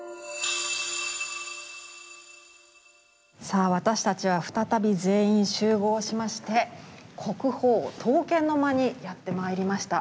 さあ私たちは再び全員集合しまして国宝刀剣の間にやってまいりました。